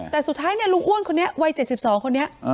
แต่สุดท้ายเนี่ยลุงอ้วนคนนี้วัยเจ็ดสิบสองคนนี้อ่า